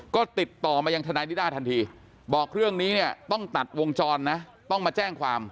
ก็ติดต่อมายังทนายนิด้าทันทีบอกเรื่องนี้เนี่ยต้องตัดวงจรนะต้องมาแจ้งความ